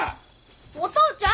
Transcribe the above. お父ちゃん！